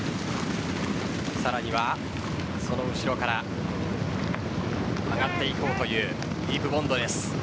さらには、その後ろから上がって行こうというディープボンドです。